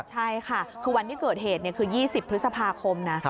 ใช่ค่ะคือวันที่เกิดเหตุคือ๒๐พฤษภาคมนะ